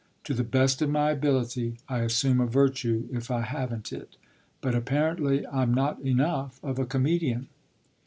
"To the best of my ability I assume a virtue if I haven't it; but apparently I'm not enough of a comedian."